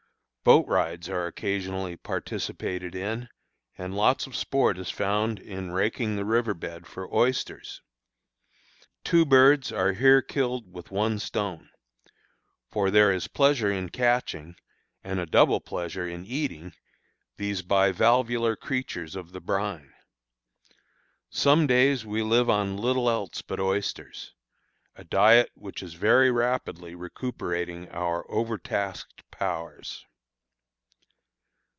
Boat rides are occasionally participated in, and lots of sport is found in raking the river bed for oysters. "Two birds are here killed with one stone," for there is pleasure in catching, and a double pleasure in eating, these bivalvular creatures of the brine. Some days we live on little else but oysters a diet which is very rapidly recuperating our overtasked powers.